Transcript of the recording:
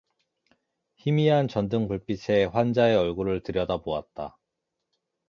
희미한 전등불빛에 환자의 얼굴을 들여다보았다.